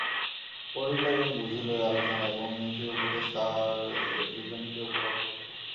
পড়িল, এবং বুঝিল এই আলোচনা এবং নীতি-উপদেশ তাহাদের দুইজনকেই উপলক্ষ করিয়া।